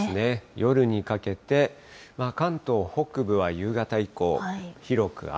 夜にかけて関東北部は夕方以降、広く雨。